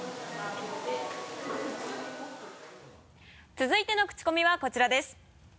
続いてのクチコミはこちらです。